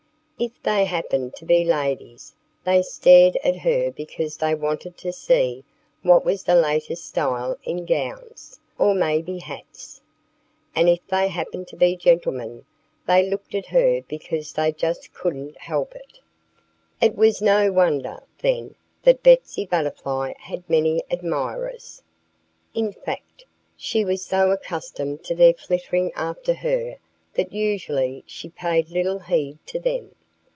If they happened to be ladies they stared at her because they wanted to see what was the latest style in gowns, or maybe hats. And if they happened to be gentlemen they looked at her because they just couldn't help it. It was no wonder, then, that Betsy Butterfly had many admirers. In fact, she was so accustomed to their flittering after her that usually she paid little heed to them.